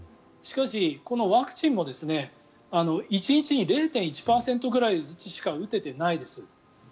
しかし、このワクチンも１日に０．１％ずつくらいしか打ててないです。